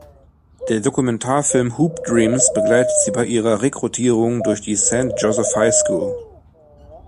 Der Dokumentarfilm "Hoop Dreams" begleitet sie bei ihrer Rekrutierung durch die Saint Jospeh High School.